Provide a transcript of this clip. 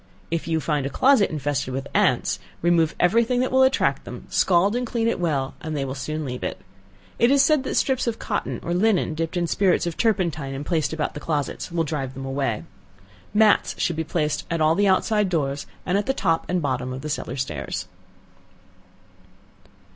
If you find a closet infested with ants, remove every thing that will attract them, scald and clean it well, and they will soon leave it. It is said that strips of cotton or linen dipped in spirits of turpentine, and placed about the closets, will drive them away. Mats should be placed at all the outside doors, and at the top and bottom of the cellar stairs.